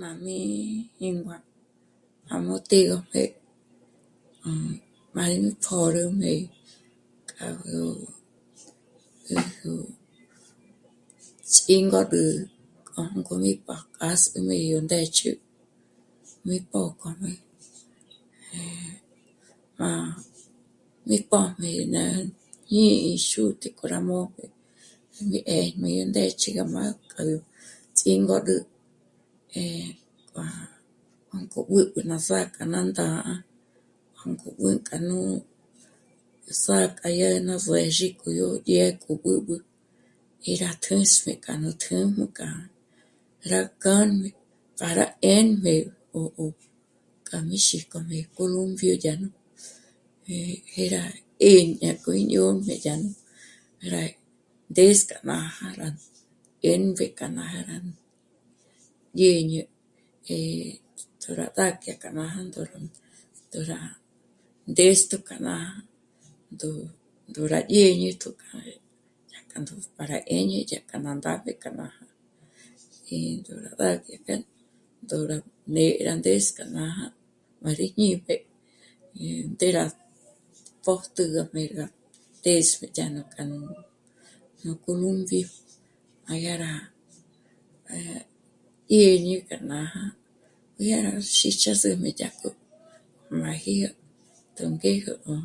Má mí jíngua gá mó të́'ëgo jé, má rí pjö̌rüjmé k'a gó 'éjo ts'íngod'ü k'o jângo rí pájk'a 'ás'üjmé yó ndë́ch'ü mí p'ôk'ojmé. Eh..., má mí pójmi ndé... à jñíñi xútǐ'i k'o rá môjmé jé mí ndéjmi yó ndë́ch'ü gá mân'u k'a nú ts'íngod'ü, eh... kuá'a..., jângo b'ǚb'ü ná sà'a k'a ná ndá'a, jângo b'ǘnk'a nú sà'a k'a yá ná juë̌jzhi k'o yó dyé'e k'o b'ǚb'ü í rá tjë̌s'üjmé k'a nú tjújm'u k'a rá kâ'me para 'émbe 'o, 'o, k'a mí xík'ojmé columpio dyá nú 'e, 'e rá 'éñe ñá k'o í ñó'b'e dyá nú... rá ndés' k'a mája rá 'émbe k'a ná jára dyê'ñe, eh... tjó rá ndá'a dyá k'a má jândo ró ndóra, ndóra ndêstjo k'a nája ndó, ndó rá ñê'ñetjo k'a yá k'a ndú'u para 'éñe dyá k'a ná ndáb'e k'a nája, í ndó rá b'á'a dyá ndó rá né'e rá ndés'ü k'a nája, má rí ñî'pje, eh..., ndé rá pójtjü gá m'érga p'és'e yá nú..., k'a nú, nú columpio. Má dyá rá..., eh..., éñe k'a nája, má dyá rá xíjchjis'äjmé dyá k'o nú máji yó tjóngéjo 'ó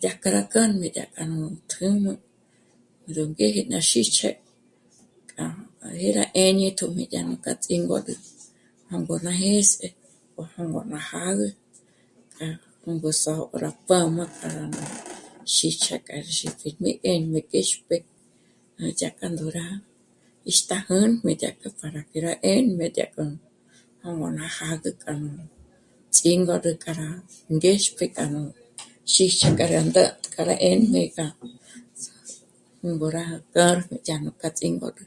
dyájk'a rá k'âmbé dyájk'a nú tū́jmu, ngó ngére ná xíjchje k'a má dyá rá 'éñetjo mí dyá mí k'a ts'íngod'ü, jângor ná jês'e o jângor má jâgü k'a 'ùngo só'o k'o rá pjáma k'a nú xíx' dyá k'a xípji mí 'émbe k'íxpje, núdyá k'a ndó rá 'íxt'a jä̀mbe dyá k'o para que rá 'émbe dyá k'o jângo ná jâd'ü k'a nú ts'íngod'ü k'a rá ngéxpje k'a nú xíx' k'a rá ndä̀t'k'a rá 'émbe k'a nú ngó rá kjâ'a dyá nú k'a ts'íngod'ü, jér mí 'éngojmé jé gá kjâ'a dyá k'o mí jíngua